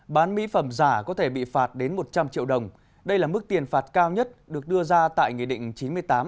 bán mỹ phẩm giả có thể bị phạt đến một trăm linh triệu đồng đây là mức tiền phạt cao nhất được đưa ra tại nghị định chín mươi tám hai nghìn hai mươi